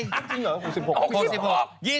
จริงหรอ๖๖